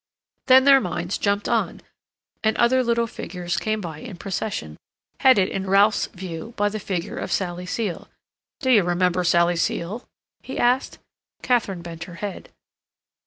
Then their minds jumped on and other little figures came by in procession, headed, in Ralph's view, by the figure of Sally Seal. "Do you remember Sally Seal?" he asked. Katharine bent her head.